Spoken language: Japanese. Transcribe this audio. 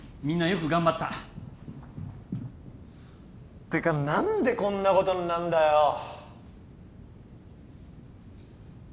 みんなよく頑張ったていうか何でこんなことになんだよ！